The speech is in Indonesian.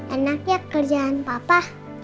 enak ya kerjaan papa